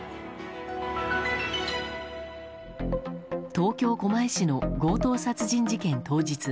東京・狛江市の強盗殺人事件当日。